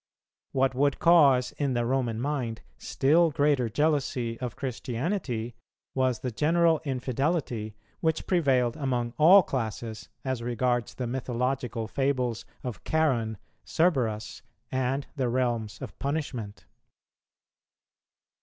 What would cause in the Roman mind still greater jealousy of Christianity was the general infidelity which prevailed among all classes as regards the mythological fables of Charon, Cerberus, and the realms of punishment.